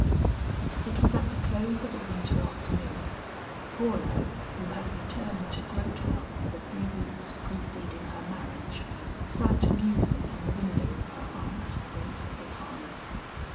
It was at the close of a winter afternoon. Paula who had returned to Grotewell for the few weeks preceding her marriage, sat musing in the window of her aunt's quaint little parlor.